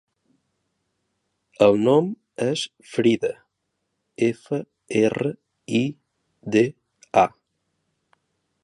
El nom és Frida: efa, erra, i, de, a.